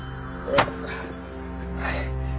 はい。